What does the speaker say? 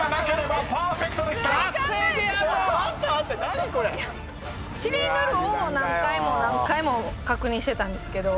何これ⁉ちりぬるをを何回も何回も確認してたんですけど。